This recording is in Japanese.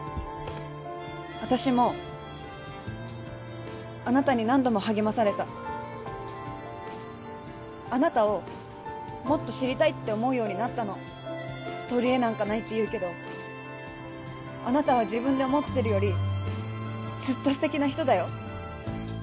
私もあなたに何度も励まされたあなたをもっと知りたいって思うようになったの取り柄なんかないって言うけどあなたは自分で思ってるよりずっと素敵な人だよ